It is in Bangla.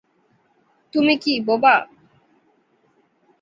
তুমি কি বোবা?